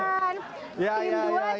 ceweknya habis duluan